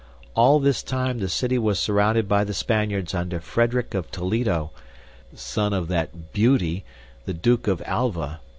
All this time the city was surrounded by the Spaniards under Frederic of Toledo, son of that beauty, the Duke of Alva.